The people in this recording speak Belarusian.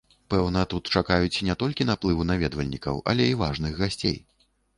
Пэўна, тут чакаюць не толькі наплыву наведвальнікаў, але і важных гасцей.